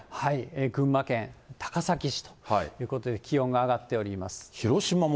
群馬県高崎市ということで、気温が上がっております。